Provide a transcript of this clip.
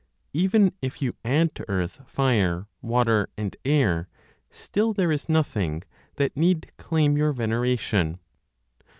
Even if you add to earth fire, water and air, still there is nothing that need claim your veneration.